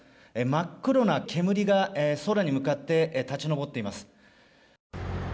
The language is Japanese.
真っ黒な煙が空に向かって立ち上っています。